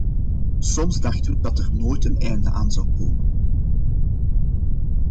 Soms dachten we dat er nooit een einde aan zou komen.